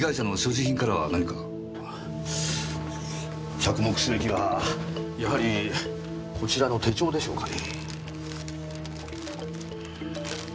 着目すべきはやはりこちらの手帳でしょうかね。